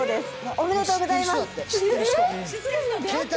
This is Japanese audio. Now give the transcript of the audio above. おめでとうございます。